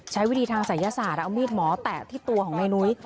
ใช้วิธีทางศัยศาสตร์มาเอามียดหมอแบบเนี้ยนุ้ย